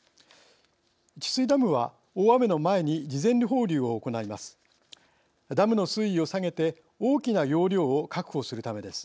治水ダムは大雨の前に事前放流を行います。